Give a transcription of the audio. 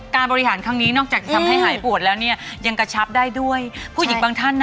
คราวนี้แหละ